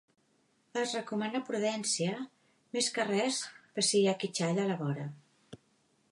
Es recomana prudència, més que res per si hi ha quitxalla a la vora.